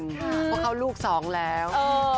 เพราะเขาลูกสองแล้ว